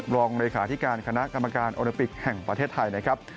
รองเลขาธิการคณะกรรมการโอลิปิกแห่งประเทศไทยนะครับ